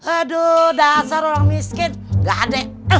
aduh dasar orang miskin nggak ada ehnya lo